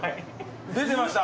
出てました。